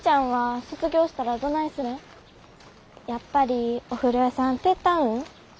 やっぱりお風呂屋さん手伝うん？